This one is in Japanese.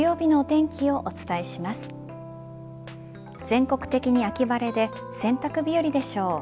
全国的に秋晴れで洗濯日和でしょう。